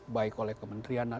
baik oleh kementerian